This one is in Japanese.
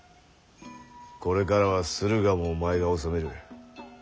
これからは駿河もお前が治める。